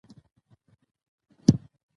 سیاسي ثبات ګډ هدف دی